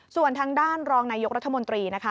ส่วนทางด้านรองนายกรัฐมนตรีนะคะ